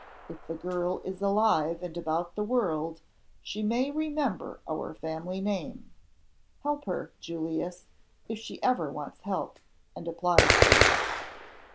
If the girl is alive and about the world she may remember our family name. Help her, Julius, if she ever wants help, and applies to you."